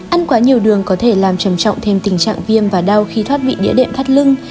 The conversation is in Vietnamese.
ăn quá nhiều đường có thể làm trầm trọng thêm tình trạng viêm và đau khi thoát vị địa đệm thắt lưng